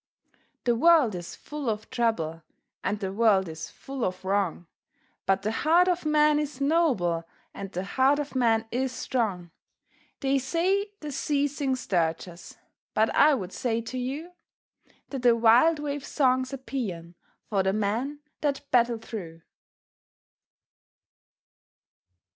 The world is full of trouble, And the world is full of wrong, But the heart of man is noble, And the heart of man is strong! They say the sea sings dirges, But I would say to you That the wild wave's song's a paean For the men that battle through.